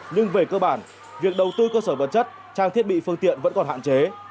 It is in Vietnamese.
nhưng về cơ bản việc đầu tư cơ sở vật chất trang thiết bị phương tiện vẫn còn hạn chế